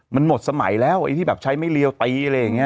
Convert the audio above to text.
มันหมดสมัยแล้วไอ้ที่แบบใช้ไม่เรียวตีอะไรอย่างนี้